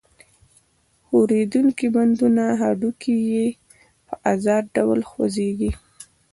ښورېدونکي بندونه هډوکي یې په آزاد ډول خوځېږي.